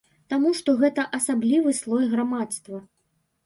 Таму што гэта асаблівы слой грамадства.